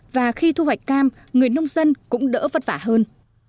và khi thu hoạch cam người nông dân cũng đỡ vất vả hơn